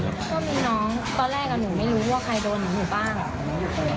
ก็มีน้องตอนแรกหนูไม่รู้ว่าใครโดนของหนูบ้าง